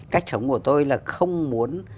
cách chống của tôi là không muốn